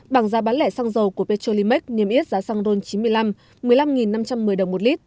bảng giá bán lẻ xăng dầu của petrolimax niêm yết giá xăng ron chín mươi năm một mươi năm năm trăm một mươi đồng một lít